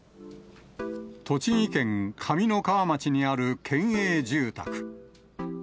栃木県上三川町にある県営住宅。